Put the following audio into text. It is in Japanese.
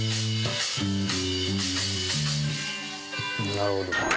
なるほど。